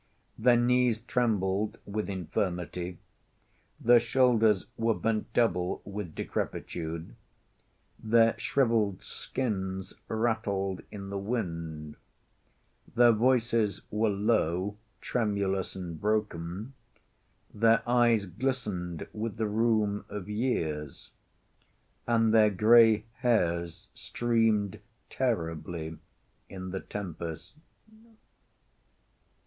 Their knees trembled with infirmity; their shoulders were bent double with decrepitude; their shrivelled skins rattled in the wind; their voices were low, tremulous and broken; their eyes glistened with the rheum of years; and their gray hairs streamed terribly in the tempest.